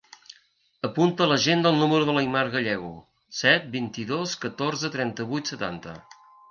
Apunta a l'agenda el número de l'Aimar Gallego: set, vint-i-dos, catorze, trenta-vuit, setanta.